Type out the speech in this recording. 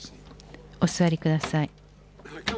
お座りください。